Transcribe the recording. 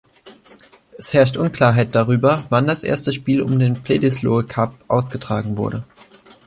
Es herrscht Unklarheit darüber, wann das erste Spiel um den Bledisloe Cup ausgetragen wurde.